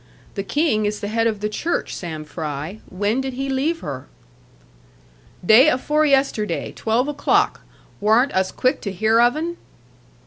The King is the head of the Church, Sam Fry; when did he leave her?' 'Day afore yesterday. Twelve o'clock. Warn't us quick to hear of 'un?'